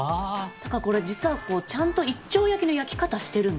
だからこれ実はちゃんと一丁焼きの焼き方してるんですよね。